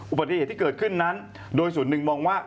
อุบัติเหตุที่เกิดขึ้นนั้นโดยส่วนหนึ่งมองว่า